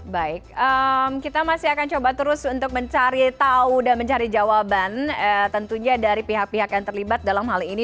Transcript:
baik kita masih akan coba terus untuk mencari tahu dan mencari jawaban tentunya dari pihak pihak yang terlibat dalam hal ini